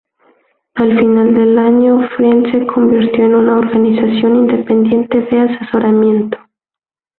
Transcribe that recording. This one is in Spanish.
Al final del año Friend se convirtió en una organización independiente de asesoramiento.